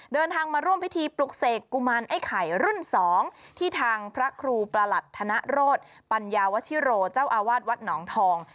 เดินทางมาร่วมพิธีปลุกเสกกุมารไอ้ไข่รุ่น๒ที่ทางพระครูประหลัดธนโรธปัญญาวชิโรเจ้าอาวาสวัดหนองทอง